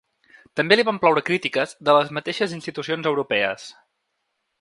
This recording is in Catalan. També li van ploure crítiques de les mateixes institucions europees.